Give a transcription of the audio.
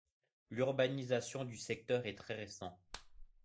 L'urbanisation du secteur est très récent.